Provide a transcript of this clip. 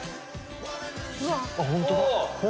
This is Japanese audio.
本当だ！